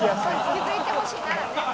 気付いてほしいならね。